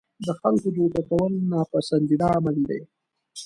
د خلکو دوکه کول ناپسندیده عمل دی.